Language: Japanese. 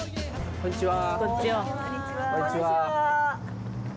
こんにちは。